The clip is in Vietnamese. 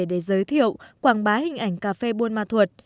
để giới thiệu quảng bá hình ảnh cà phê buôn ma thuột